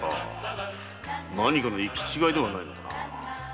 何かの行き違いではないのかな。